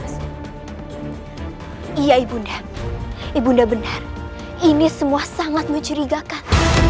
mas iya ibu nda ibu nda benar ini semua sangat mencurigakan